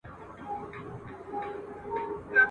او مخلوق ته سي لګیا په بد ویلو !.